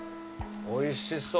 おいしそう。